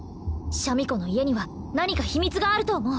シャミ子の家には何か秘密があると思う